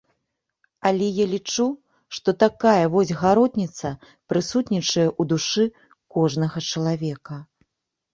Але я лічу, што такая вось гаротніца прысутнічае ў душы кожнага чалавека.